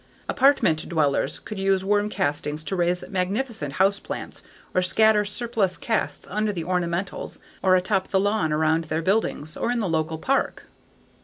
Apartment dwellers could use worm castings to raise magnificent house plants or scatter surplus casts under the ornamentals or atop the lawn around their buildings or in the local park.